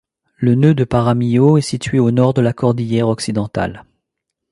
Le nœud de Paramillo est situé au nord de la cordillère Occidentale.